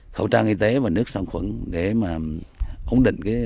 khẩu trang y tế và nước sắc khuẩn